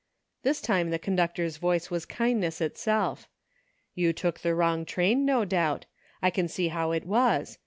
This time the con ductor's voice was kindness itself. " You took the wrong train, no doubt. I can see how it was.